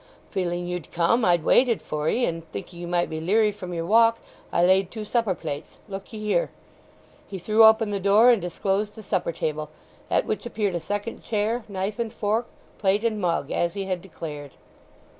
Feeling you'd come I've waited for 'ee; and thinking you might be leery from your walk I laid two supper plates—look ye here." He threw open the door and disclosed the supper table, at which appeared a second chair, knife and fork, plate and mug, as he had declared.